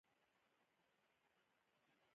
تیزابونه برېښنا تولیدوي.